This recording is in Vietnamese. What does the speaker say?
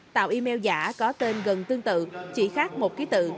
tạo email giả có tên gần tương tự chỉ khác một ký tự